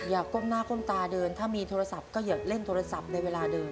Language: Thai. ก้มหน้าก้มตาเดินถ้ามีโทรศัพท์ก็อย่าเล่นโทรศัพท์ในเวลาเดิม